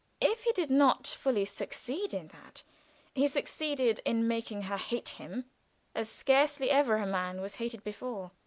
If he did not fully succeed in that, he succeeded in making her hate him as scarcely ever was man hated before.